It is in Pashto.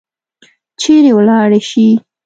چیرې ولاړي شي؟